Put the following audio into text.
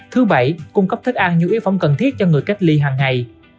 thứ bảy cung cấp thức ăn như yếu phong cần thiết cho người cách ly hằng ngày